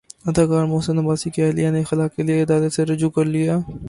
اداکار محسن عباس کی اہلیہ نے خلع کے لیے عدالت سےرجوع کر لیا